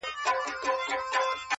چي سودا کوې په څېر د بې عقلانو -